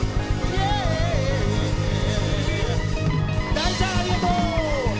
大ちゃんありがとう！